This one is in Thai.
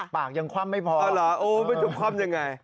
ปากยังคว่ำไม่พอเหรอไม่จบคว่ำอย่างไร